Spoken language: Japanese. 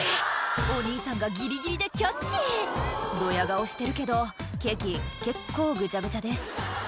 お兄さんがギリギリでキャッチドヤ顔してるけどケーキ結構ぐちゃぐちゃです